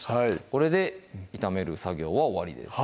これで炒める作業は終わりです